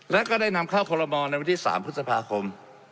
และก็ได้นำเข้าคอลโมในวันที่๓พฤษภาคม